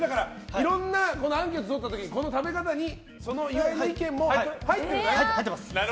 いろんなアンケートをとった時にこの食べ方にその岩井の意見も入っていたと。